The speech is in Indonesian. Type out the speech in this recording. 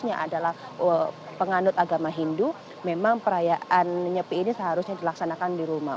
yang adalah penganut agama hindu memang perayaan nyepi ini seharusnya dilaksanakan di rumah